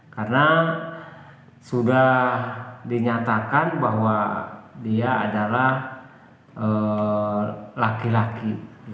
karena sudah dinyatakan bahwa dia adalah laki laki